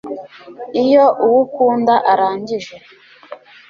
Iyo uwo ukunda arangije